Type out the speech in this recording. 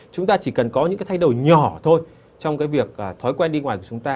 chúng ta chỉ cần có những thay đổi nhỏ thôi trong việc thói quen đi ngoài của chúng ta